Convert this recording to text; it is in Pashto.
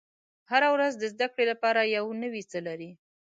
• هره ورځ د زده کړې لپاره یو نوی څه لري.